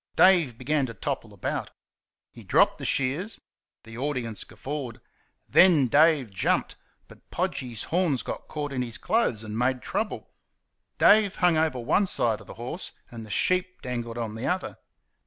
Dave began to topple about. He dropped the shears. The audience guffawed. Then Dave jumped; but Podgy's horns got caught in his clothes and made trouble. Dave hung on one side of the horse and the sheep dangled on the other.